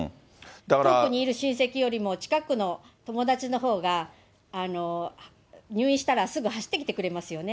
遠くにいる親戚よりも近くの友達のほうが、入院したらすぐ走ってきてくれますよね。